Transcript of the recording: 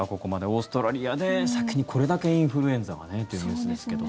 オーストラリアで先にこれだけインフルエンザがねというニュースですけど。